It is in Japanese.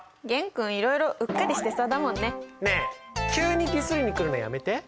ねえ急にディスりにくるのやめて。